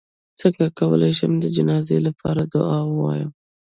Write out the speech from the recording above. څنګه کولی شم د جنازې لپاره دعا ووایم